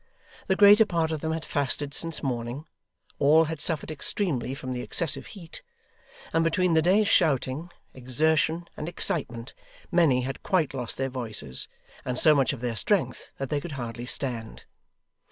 The greater part of them had fasted since morning; all had suffered extremely from the excessive heat; and between the day's shouting, exertion, and excitement, many had quite lost their voices, and so much of their strength that they could hardly stand.